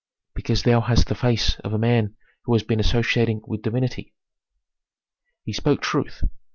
"Because thou hast the face of a man who has been associating with divinity." He spoke truth.